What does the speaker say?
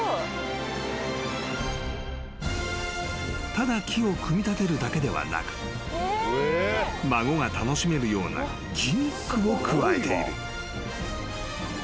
［ただ木を組み立てるだけではなく孫が楽しめるようなギミックを加えている］